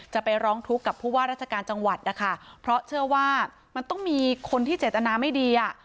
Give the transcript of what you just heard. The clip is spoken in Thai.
จะไปร้องทุกข์กับผู้ว่าราชการจังหวัดนะคะเพราะเชื่อว่ามันต้องมีคนที่เจตนาไม่ดีอ่ะ